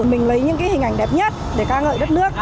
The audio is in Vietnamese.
mình lấy những hình ảnh đẹp nhất để ca ngợi đất nước